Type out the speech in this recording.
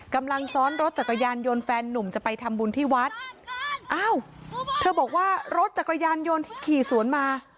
กำลังซ้อนรถจักรยานยนต์แฟนนุ่มจะไปทำบุญที่วัดอ้าวเธอบอกว่ารถจักรยานยนต์ที่ขี่สวนมา